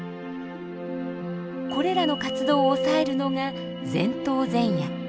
これらの活動を抑えるのが前頭前野。